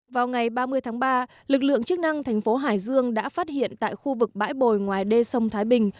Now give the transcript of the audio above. vào ngày ba mươi tháng ba lực lượng chức năng thành phố hải dương đã phát hiện tại khu vực bãi bồi ngoài đê sông thái bình